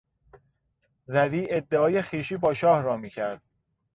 زری ادعای خویشی با شاه را میکرد.